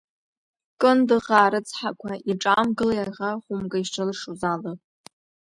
Кындыӷаа рыцҳақәа, иҿамгылеи аӷа хәымга ишрылшоз ала!